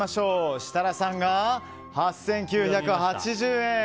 設楽さんが８９８０円。